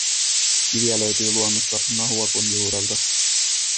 Kiviä löytyy luonnosta Nahuakon juurelta.